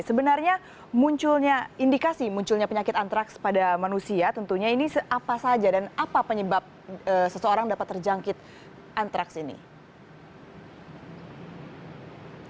sebenarnya munculnya indikasi munculnya penyakit antraks pada manusia tentunya ini apa saja dan apa penyebab seseorang dapat terjangkit antraks ini